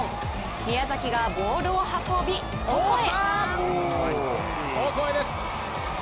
宮崎がボールを運び、ゴールへ。